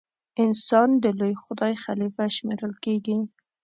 انسان د لوی خدای خلیفه شمېرل کیږي.